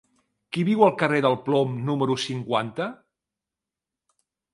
Qui viu al carrer del Plom número cinquanta?